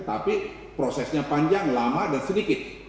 tapi prosesnya panjang lama dan sedikit